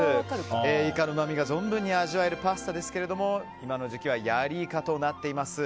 イカのうまみが存分に味わえるパスタですけども今の時期はヤリイカとなっています。